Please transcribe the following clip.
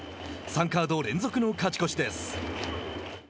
３カード連続の勝ち越しです。